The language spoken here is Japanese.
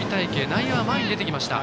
内野は前に出てきました。